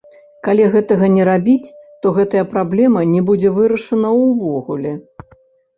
Калі гэтага не рабіць, то гэтая праблемы не будзе вырашана ўвогуле.